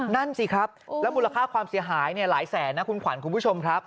นั่นสิครับแล้วมูลค่าความเสียหายหลายแสนนะคุณขวัญคุณผู้ชมครับ